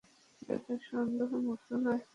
কিন্তু তা সন্দেহমুক্ত নয়।